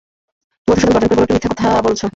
মধুসূদন গর্জন করে বলে উঠল, মিথ্যে কথা বলছ।